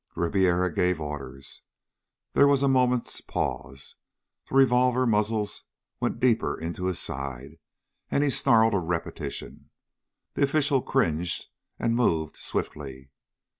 Ribiera gave orders. There was a moment's pause the revolver muzzles went deeper into his side and he snarled a repetition. The official cringed and moved swiftly.